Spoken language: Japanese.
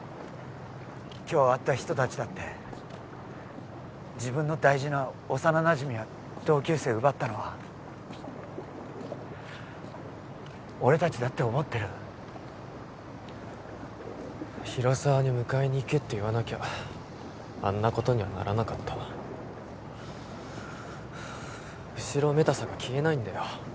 今日会った人達だって自分の大事な幼なじみや同級生奪ったのは俺達だって思ってる広沢に迎えに行けって言わなきゃあんなことにはならなかった後ろめたさが消えないんだよ